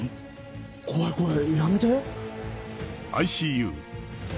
怖い怖いやめて！